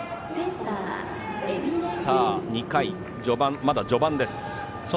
２回、まだ序盤です。